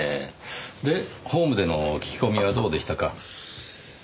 でホームでの聞き込みはどうでしたか？